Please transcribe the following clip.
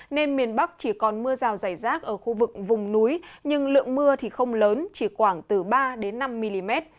nên miền bắc chỉ còn mưa rào dày rác ở khu vực vùng núi nhưng lượng mưa không lớn chỉ khoảng từ ba năm mm